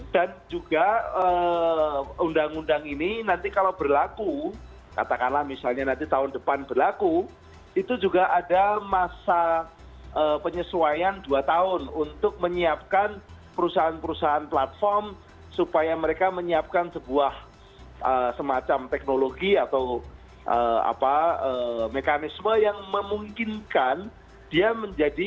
dan juga undang undang ini nanti kalau berlaku katakanlah misalnya nanti tahun depan berlaku itu juga ada masa penyesuaian dua tahun untuk menyiapkan perusahaan perusahaan platform supaya mereka menyiapkan sebuah semacam teknologi atau mekanisme yang memungkinkan